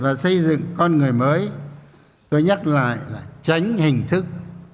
và xây dựng con người mới tôi nhắc lại là tránh hình thức